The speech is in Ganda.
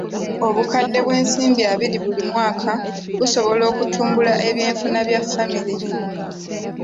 Obukadde bw'ensimbi abiri buli mwaka busobola okutumbula ebyenfuna bya famire.